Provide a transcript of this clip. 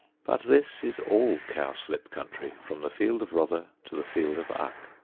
But this is all cowslip country from the field of Rother to the field of Uck.